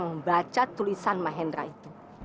kamu decreasing mereka